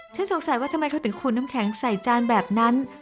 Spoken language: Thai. ฉันสงสัยว่าทำไมเขาถึงขูดน้ำแข็งใส่จานแบบนั้น